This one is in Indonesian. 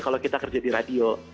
kalau kita kerja di radio